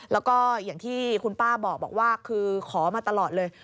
แล้วก็อย่างที่คุณป้าบอกว่าคือขอมาตลอดเลย